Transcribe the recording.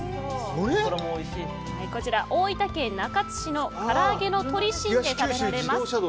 大分県中津市のからあげの鳥しんで食べられます。